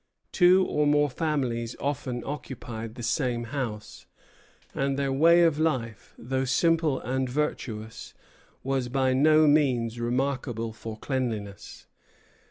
Two or more families often occupied the same house; and their way of life, though simple and virtuous, was by no means remarkable for cleanliness.